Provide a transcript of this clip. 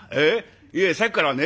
いいやさっきからね